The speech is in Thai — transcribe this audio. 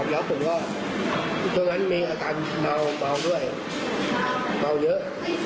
แล้วผมก็ช่วงนั้นมีอาการเมาด้วยเมาเยอะ